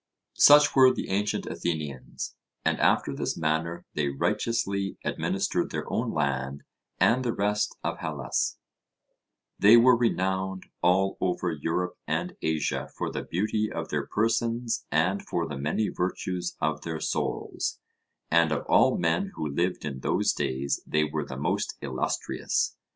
Such were the ancient Athenians, and after this manner they righteously administered their own land and the rest of Hellas; they were renowned all over Europe and Asia for the beauty of their persons and for the many virtues of their souls, and of all men who lived in those days they were the most illustrious.